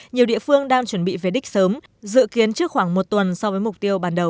nhiều địa phương đang chuẩn bị về đích sớm dự kiến trước khoảng một tuần so với mục tiêu ban đầu